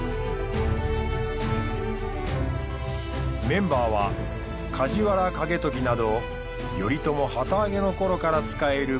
メンバーは梶原景時など頼朝旗揚げの頃から仕える武将たち。